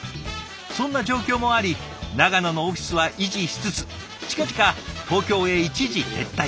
そんな状況もあり長野のオフィスは維持しつつ近々東京へ一時撤退。